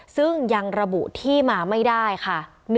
ซึ่งยังระบุที่มาไม่ได้ค่ะ